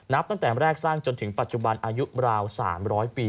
ตั้งแต่แรกสร้างจนถึงปัจจุบันอายุราว๓๐๐ปี